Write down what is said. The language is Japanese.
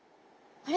あれ？